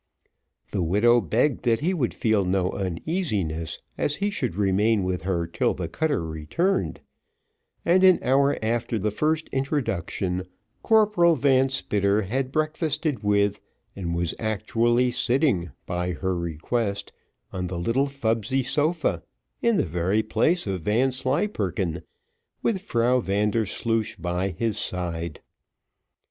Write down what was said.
The widow begged that he would feel no uneasiness, as he should remain with her till the cutter returned; and an hour after the first introduction, Corporal Van Spitter had breakfasted with, and was actually sitting, by her request, on the little fubsy sofa, in the very place of Vanslyperken, with Frau Vandersloosh by his side.